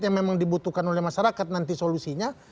yang memang dibutuhkan oleh masyarakat nanti solusinya